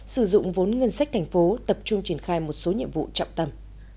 sử dụng vốn ngân sách thành phố tập trung triển khai một số nhiệm vụ trọng tâm